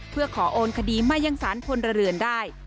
เพื่อขอโอนคดีมายังสารพลเรือนได้